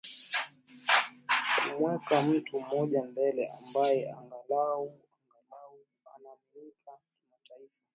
kumweka mtu mmoja mbele ambaye angalau angalau anaaminika kimataifa